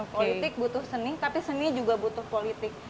politik butuh seni tapi seni juga butuh politik